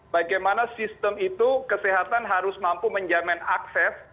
bagaimana sistem itu kesehatan harus mampu menjamin akses